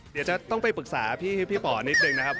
เดี๋ยวจะต้องไปปรึกษาพี่ป๋อนิดนึงนะครับ